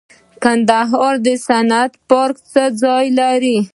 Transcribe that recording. د کندهار صنعتي پارک څه حال لري؟